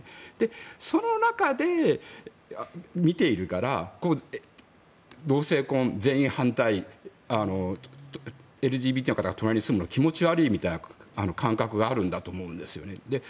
その中で見ているから同性婚、全員反対ＬＧＢＴの方が隣に住むのが気持ち悪いみたいな感覚があるんだと思うんですよね。